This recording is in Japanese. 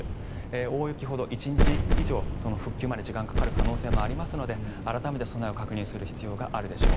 大雪ほど、１日以上復旧まで時間がかかる可能性もありますので改めて備えを確認する必要があるでしょう。